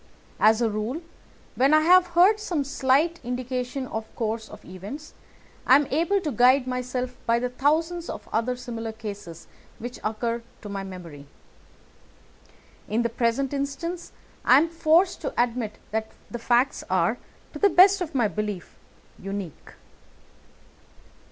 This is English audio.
As a rule, when I have heard some slight indication of the course of events, I am able to guide myself by the thousands of other similar cases which occur to my memory. In the present instance I am forced to admit that the facts are, to the best of my belief, unique."